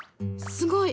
すごい！